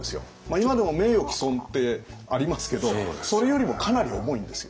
今でも名誉毀損ってありますけどそれよりもかなり重いんですよ。